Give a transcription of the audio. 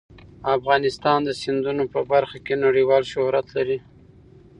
افغانستان د سیندونه په برخه کې نړیوال شهرت لري.